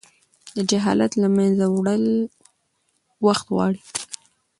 د جهالت له منځه وړل وخت غواړي.